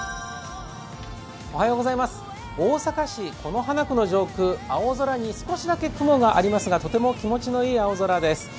大阪市此花区の上空青空に少しだけ雲がありますが、とても気持ちのいい青空です。